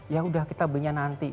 ya udah kita belinya nanti